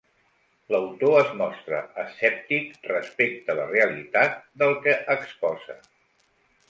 L'autor es mostra escèptic respecte la realitat del que exposa.